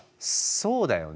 そうだよね。